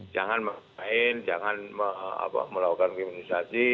jangan main main jangan melakukan kriminalisasi